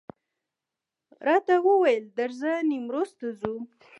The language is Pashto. راته وویل درځه نیمروز ته ځو.